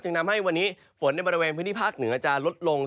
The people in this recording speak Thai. ทำให้วันนี้ฝนในบริเวณพื้นที่ภาคเหนือจะลดลง